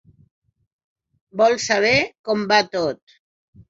Vol saber com va tot.